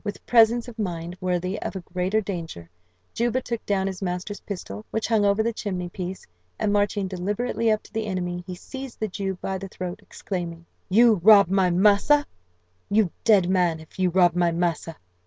With presence of mind worthy of a greater danger, Juba took down his master's pistol, which hung over the chimney piece, and marching deliberately up to the enemy, he seized the Jew by the throat, exclaiming "You rob my massa? You dead man, if you rob my massa."